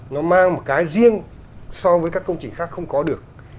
nó mang một cái riêng so với các công trình khác không có được